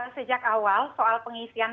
sejak awal soal pengisian